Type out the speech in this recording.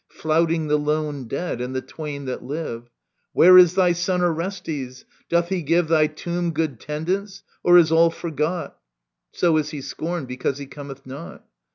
Flouting the lone dead and the twain that live :" Where is thy son Orestes ? Doth he give Thy tomb good tendance i Or is all forgot ?So is he scorned because he cometh not.